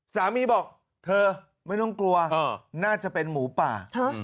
สามีบอกเธอไม่ต้องกลัวน่าจะเป็นหมูป่า